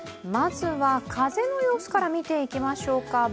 まずは、風の様子から見ていきましょうか。